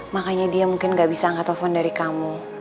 makanya dia mungkin gak bisa angka telepon dari kamu